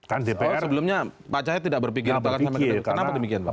oh sebelumnya pak cahit tidak berpikir kenapa demikian pak